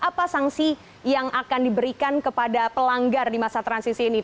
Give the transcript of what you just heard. apa sanksi yang akan diberikan kepada pelanggar di masa transisi ini